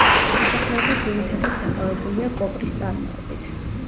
მოსახლეობა ძირითადად დაკავებულია კოპრის წარმოებით.